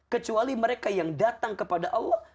kecuali mereka yang datang kepada allah